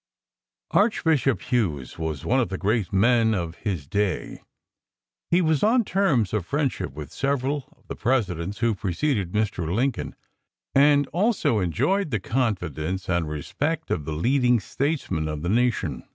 Archbishop Hughes was one of the great men of his day. He was on terms of friendship with several of the Presidents who preceded Mr. Lincoln, and also enjoyed the confidence and respect of the leading statesmen of the nation.